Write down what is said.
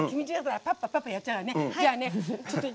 パッパ、パッパやっちゃうね。